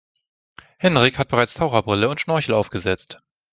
Henrik hat bereits Taucherbrille und Schnorchel aufgesetzt.